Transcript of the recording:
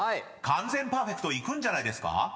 完全パーフェクトいくんじゃないですか？］